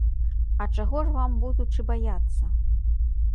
А чаго ж вам, будучы, баяцца?